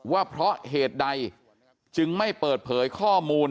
ว่าเพราะเหตุใดจึงไม่เปิดเผยข้อมูล